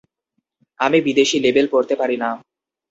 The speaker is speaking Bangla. আমি বিদেশী লেবেল পড়তে পারি না।